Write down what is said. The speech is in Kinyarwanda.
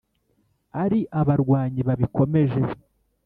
ari abarwanyi babikomeje